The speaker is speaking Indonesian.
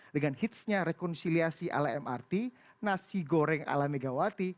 dengan hitsnya rekonsiliasi ala mrt nasi goreng ala megawati